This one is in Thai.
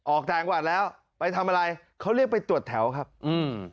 ออกต่างวัดแล้วไปทำอะไรเขาเรียกไปตรวจแถวครับอืม